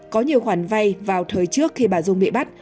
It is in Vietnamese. có nhiều khoản vay vào thời trước khi bà dung bị bắt